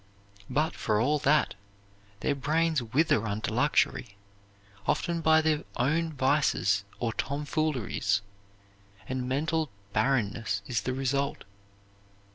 But, for all that, their brains wither under luxury, often by their own vices or tomfooleries, and mental barrenness is the result.